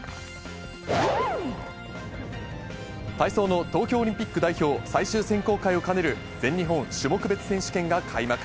体操の東京オリンピック代表最終選考会を兼ねる全日本種目別選手権が開幕。